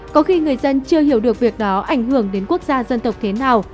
có khi người dân chưa hiểu được việc đó ảnh hưởng đến quốc gia dân tộc thế nào